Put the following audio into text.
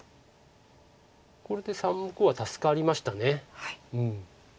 これで３目は助かりました。